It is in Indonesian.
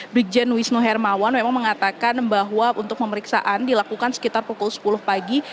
brigjen wisnu hermawan memang mengatakan bahwa untuk pemeriksaan dilakukan sekitar pukul sepuluh pagi